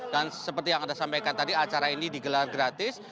dan seperti yang anda sampaikan tadi acara ini digelar gratis